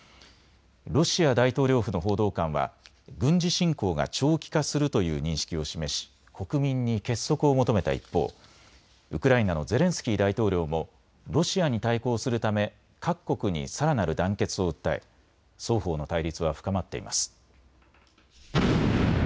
ロシア大統領府の報道官は軍事侵攻が長期化するという認識を示し国民に結束を求めた一方、ウクライナのゼレンスキー大統領もロシアに対抗するため各国にさらなる団結を訴え双方の対立は深まっています。